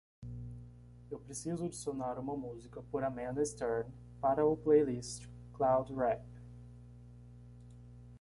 Eu preciso adicionar uma música por Amanda Stern para o playlist cloud rap.